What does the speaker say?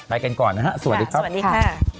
ไปกันก่อนนะฮะสวัสดีครับสวัสดีค่ะ